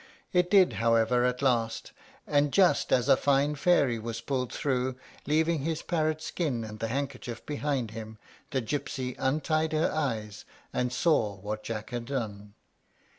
It did, however, at last; and just as a fine fairy was pulled through, leaving his parrot skin and the handkerchief behind him, the gypsy untied her eyes, and saw what Jack had done.